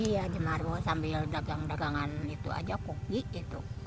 iya di margo sambil dagang dagangan itu aja koki gitu